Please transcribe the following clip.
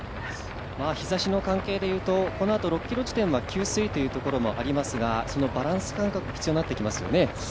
日ざしの関係でいうと、このあと６ｋｍ地点は給水というところもありますが、そのバランス感覚必要になってきますね。